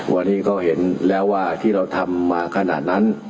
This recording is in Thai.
วันนี้ก็เห็นแล้วว่าที่เราทำมาขนาดนั้น